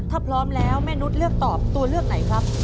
ถ้าพร้อมแล้วแม่นุษย์เลือกตอบตัวเลือกไหนครับ